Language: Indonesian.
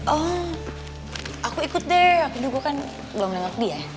oh aku ikut deh aku juga kan belum nengok dia ya